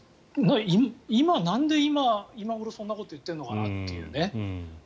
なんで今頃そんなこと言ってるのかなとね。